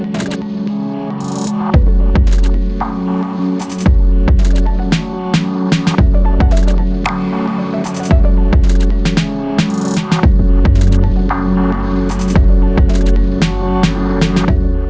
โปรดติดตามตอนต่อไป